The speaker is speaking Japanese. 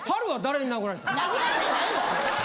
殴られてないんですよ。